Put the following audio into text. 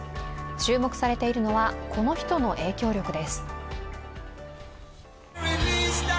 注目されているのはこの人の影響力です。